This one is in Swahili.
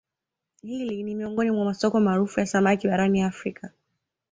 Hili ni miongoni mwa masoko maarufu ya samaki barani Afrika